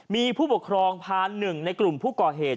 มีผู้ปกครองพาหนึ่งในกลุ่มผู้ก่อเหตุ